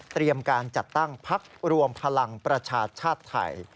การจัดตั้งพักรวมพลังประชาชาติไทย